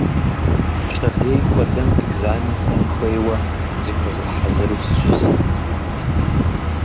Пщэдей хуэдэм экзамен стын хуейуэ, зыхуэзгъэхьэзыру сыщыст.